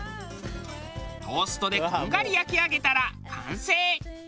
トーストでこんがり焼き上げたら完成。